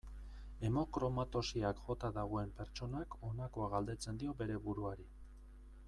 Hemokromatosiak jota dagoen pertsonak honakoa galdetzen dio bere buruari.